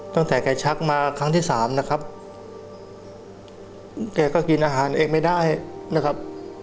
ตั้งแต่แกชักมาครั้งที่สามนะครับแกก็กินอาหารเองไม่ได้นะครับ